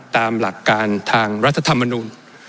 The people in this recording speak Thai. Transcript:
ตามหลักการทางรัฐธรรมนูล